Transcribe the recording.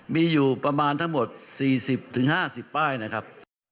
มีอยู่ประมาณทั้งหมดสี่สิบถึงห้าสิบป้ายนะครับ